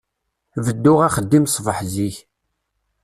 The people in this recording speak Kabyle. Bedduɣ axeddim ṣbeḥ zik.